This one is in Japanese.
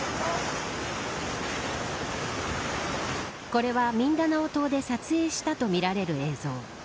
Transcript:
これはミンダナオ島で撮影したとみられる映像。